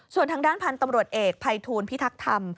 ส่วนทางด้านพันธุ์ตำรวจเอกภัยทูลพิทักษ์ธรรม